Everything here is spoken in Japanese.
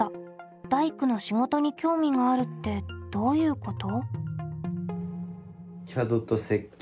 「大工の仕事に興味がある」ってどういうこと？